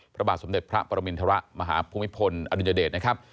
พระบาทสมเด็จพระปรมินทรมาฮภูมิพลอดุญเดชนะครับ